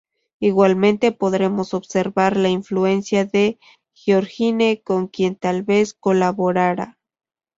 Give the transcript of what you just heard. Igualmente podremos observar la influencia del Giorgione, con quien tal vez colaborara.